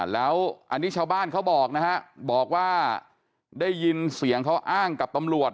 แล้วอันนี้ชาวบ้านเขาบอกนะฮะบอกว่าได้ยินเสียงเขาอ้างกับตำรวจ